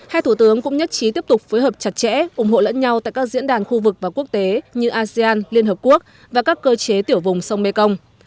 hai thủ tướng cũng nhất trí tiếp tục phối hợp chặt chẽ ủng hộ lẫn nhau tại các diễn đàn khu vực và quốc tế như asean liên hợp quốc và các cơ chế tiểu vùng sông mekong